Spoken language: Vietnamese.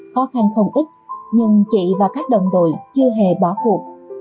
khó khăn không ít nhưng chị và các đồng đội chưa hề bỏ cuộc